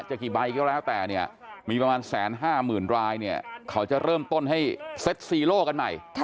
กี่ใบก็แล้วแต่เนี่ยมีประมาณ๑๕๐๐๐รายเนี่ยเขาจะเริ่มต้นให้เซ็ตซีโล่กันใหม่